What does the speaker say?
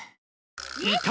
いた！